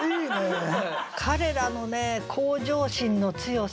彼らの向上心の強さ。